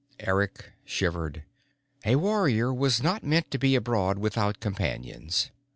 Eric shivered. A warrior was not meant to be abroad without companions.